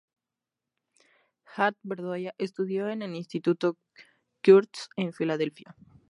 Harth-Bedoya estudió en el Instituto Curtis en Filadelfia.